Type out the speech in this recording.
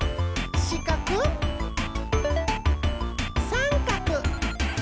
さんかく！